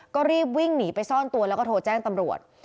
ก็รีบวิ่งหนีไปซ่อนตัวแล้วก็โทรแจ้งตำรวจ